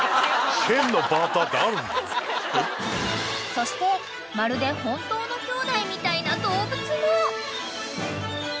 ［そしてまるで本当の兄妹みたいな動物も］